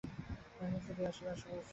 রাজমহিষী ছুটিয়া আসিলেন, সকলে ছুটিয়া আসিল।